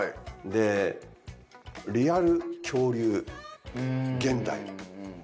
でリアル恐竜現代の。